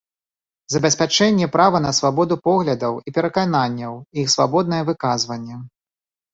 Забеспячэнне права на свабоду поглядаў i перакананняў i iх свабоднае выказванне.